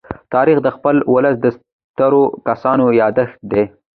تاریخ د خپل ولس د سترو کسانو يادښت دی.